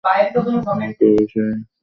আমাকে এই বিষয়ে ভাবতে হবে, ঠিক আছে?